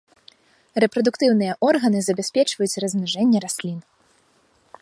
Рэпрадуктыўныя органы забяспечваюць размнажэнне раслін.